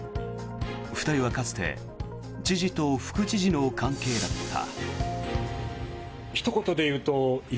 ２人はかつて知事と副知事の関係だった。